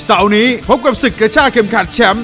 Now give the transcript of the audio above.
เสาร์นี้พบกับศึกกระชาเข็มขัดแชมป์